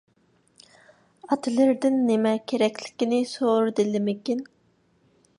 ئاتىلىرىدىن نېمە كېرەكلىكىنى سورىدىلىمىكىن.